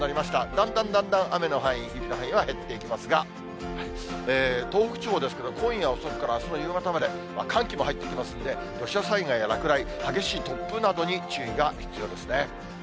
だんだんだんだん雨の範囲は見た範囲は、減っていきますが、東北地方ですけど、今夜遅くからあすの夕方まで、寒気も入ってきますんで、土砂災害や落雷、激しい突風などに注意が必要ですね。